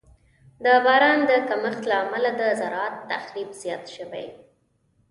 د باران د کمښت له امله د زراعت تخریب زیات شوی.